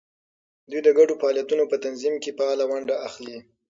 دوی د ګډو فعالیتونو په تنظیم کې فعاله ونډه اخلي.